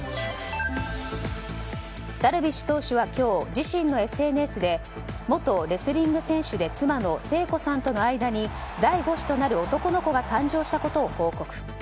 ダルビッシュ投手は今日、自身のＳＮＳで元レスリング選手で妻の聖子さんとの間に第５子となる男の子が誕生したことを報告。